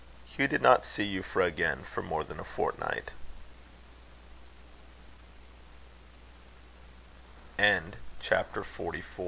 Hugh did not see Euphra again for more than a fortnight. CHAPTER XXX.